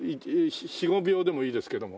４５秒でもいいですけども。